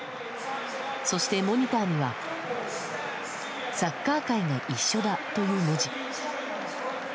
そしてモニターにはサッカー界が一緒だという文字。